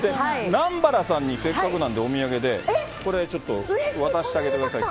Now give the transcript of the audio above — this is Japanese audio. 南原さんにせっかくなんで、お土産で、これちょっと、渡してあげてください。